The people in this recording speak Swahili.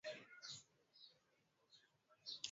tuna epindoo ambao ni tunaandika epindoo french bakery